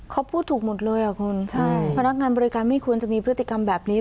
เขาพูดถูกหมดเลยอ่ะคุณใช่พนักงานบริการไม่ควรจะมีพฤติกรรมแบบนี้